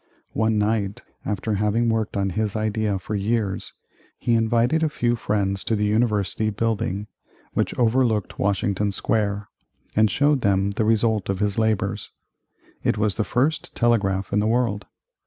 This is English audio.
One night, after having worked on his idea for years, he invited a few friends to the University building, which overlooked Washington Square, and showed them the result of his labors. It was the first telegraph in the world.